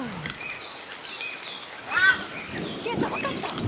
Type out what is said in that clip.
健太分かった！